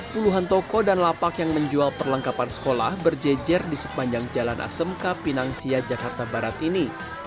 puluhan toko dan lapak yang menjual perlengkapan sekolah berjejer di sepanjang jalan asmk pinang sia jakarta barat ini